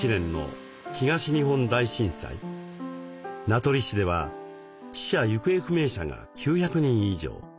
名取市では死者・行方不明者が９００人以上。